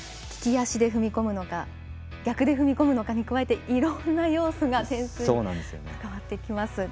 利き足で踏み込むのか逆で踏み込むのかに加えていろんな要素が点数に関わってきます。